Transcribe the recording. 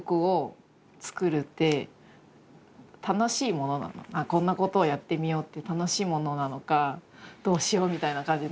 この時代の「こんなんことをやってみよう」って楽しいものなのか「どうしよう」みたいな感じの。